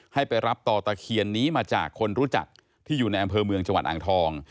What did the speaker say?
ให้ไปรับต่อตะเคียนนี้มาจากคนรู้จักที่อยู่ในอำเภอเมืองจังหวัดอ่างทอง